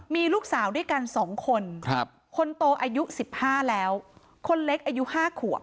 มีลูกสาวด้วยกัน๒คนคนโตอายุ๑๕แล้วคนเล็กอายุ๕ขวบ